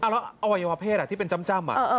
แล้วอวัยวะเพศที่เป็นจ้ำ